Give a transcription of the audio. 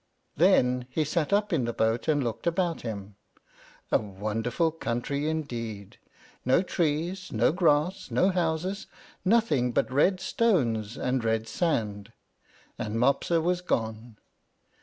Then he sat up in the boat, and looked about him. A wonderful country, indeed! no trees, no grass, no houses, nothing but red stones and red sand, and Mopsa was gone.